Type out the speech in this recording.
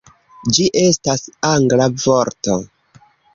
Ĝi estas angla vorto